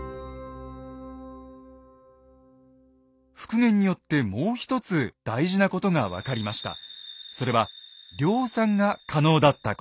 復元によってもう一つ大事なことが分かりました。